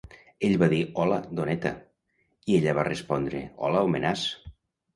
Ell va dir "hola, doneta", i ella va respondre "hola, homenàs".